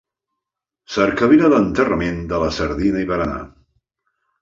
Cercavila d'enterrament de la sardina i berenar.